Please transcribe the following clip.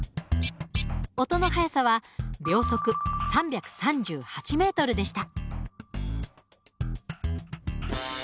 警音器は秒速３３８ｍでした。